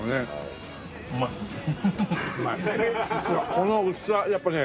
この薄さやっぱね